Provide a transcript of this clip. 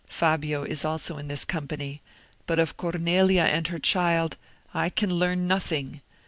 Fabio is also in this company; but of Cornelia and her child I can learn nothing.